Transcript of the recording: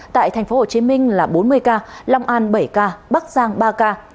tại tp hcm là bốn mươi ca long an bảy ca bắc giang ba ca